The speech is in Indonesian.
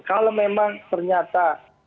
kalau memang ternyata